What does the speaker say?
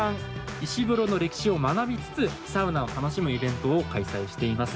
石風呂の歴史を学びつつサウナを楽しむイベントを開催しています。